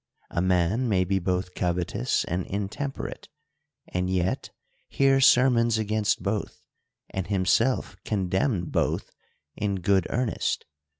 A man may be both covetous and intemperate, and yet hear sermons against both, and himself condemn both in good earnest.